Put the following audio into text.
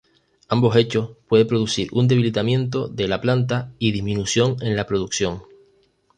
Ambos hechos puede producir un debilitamiento de la planta y disminución en la producción.